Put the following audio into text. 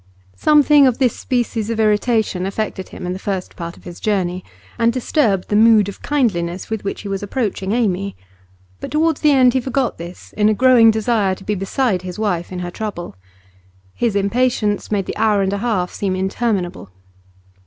Something of this species of irritation affected him in the first part of his journey, and disturbed the mood of kindliness with which he was approaching Amy; but towards the end he forgot this in a growing desire to be beside his wife in her trouble. His impatience made the hour and a half seem interminable.